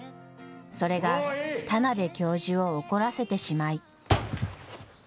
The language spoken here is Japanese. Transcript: それが田邊教授を怒らせてしまい。